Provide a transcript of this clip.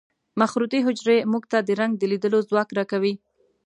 مخروطي حجرې موږ ته د رنګ د لیدلو ځواک را کوي.